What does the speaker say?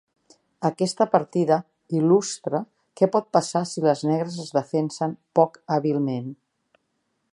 Aquesta partida il·lustra què pot passar si les negres es defensen poc hàbilment.